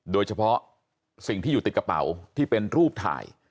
โดยเฉพาะสิ่งที่อยู่ติดกระเป๋าที่เป็นรูปถ่าย